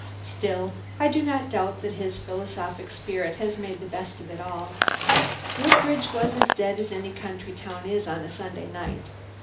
Still I do not doubt that his philosophic spirit had made the best of it all. Woodbridge was as dead as any country town is on Sunday night.